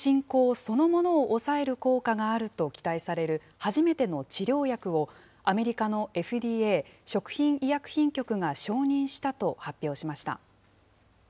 そのものを抑える効果があると期待される、初めての治療薬を、アメリカのＦＤＡ・食品医薬品局が承認したと発表しました。